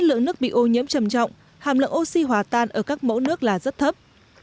nếu nguồn nước bị ô nhiễm trầm trọng hàm lượng oxy hòa tan ở các mẫu nước là rất thấp